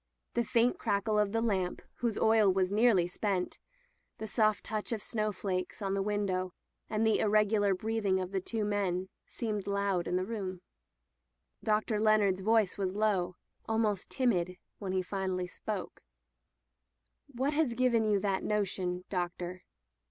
The faint crackle of the lamp, whose oil was nearly spent; the soft touch of snowflakes on the [ 402 ] Digitized by LjOOQ IC At Ephesus window, and the irregular breathing of the two men, seemed loud in the room. Dr. Leonard's voice was lowj almost timid, when he finally spoke: What has given you that notion, Doctor?"